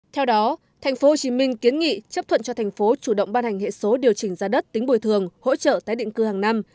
theo đó tp hcm kiến nghị chấp thuận cho thành phố chủ động ban hành hệ số điều chỉnh giá đất tính bồi thường hỗ trợ tái định cư hàng năm